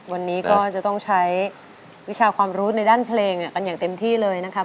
วันนี้ก็จะต้องใช้วิชาความรู้ในด้านเพลงกันอย่างเต็มที่เลยนะครับ